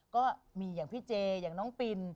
ก็มีอย่างพี่เจอย่างน้องปิน